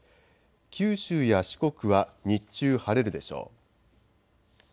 九州や四国は日中晴れるでしょう。